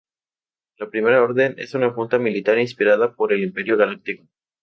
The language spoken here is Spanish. La Primera Orden es una junta militar inspirada por el imperio galáctico.